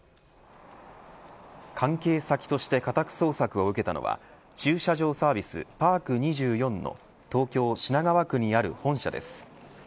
関係先として家宅捜索を受けたのは駐車場サービス、パーク２４の東京、品川区にある本社です。